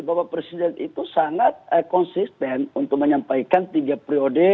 bapak presiden itu sangat konsisten untuk menyampaikan tiga periode